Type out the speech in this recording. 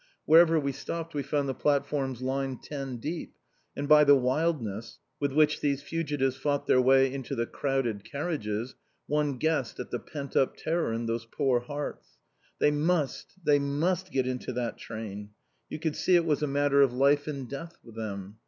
Wherever we stopped, we found the platforms lined ten deep, and by the wildness with which these fugitives fought their way into the crowded carriages, one guessed at the pent up terror in those poor hearts! They must, they must get into that train! You could see it was a matter of life and death with them.